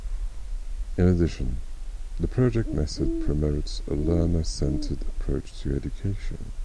In addition, the project method promotes a learner-centered approach to education.